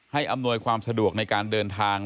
อำนวยความสะดวกในการเดินทาง